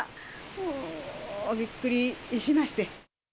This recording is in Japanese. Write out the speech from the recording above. もうびっくりしまして。